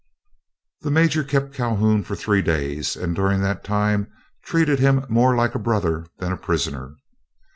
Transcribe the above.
The major kept Calhoun for three days, and during that time treated him more like a brother than a prisoner.